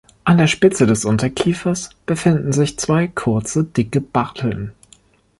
An der Spitze des Unterkiefers befinden sich zwei kurze, dicke Barteln.